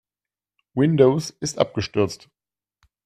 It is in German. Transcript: Windows ist abgestürzt.